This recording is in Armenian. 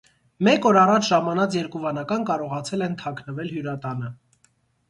Մեկ օր առաջ ժամանած երկու վանական կարողացել են թաքնվել հյուրատանը։